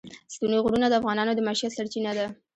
ستوني غرونه د افغانانو د معیشت سرچینه ده.